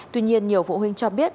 tuy nhiên nhiều phụ huynh cho biết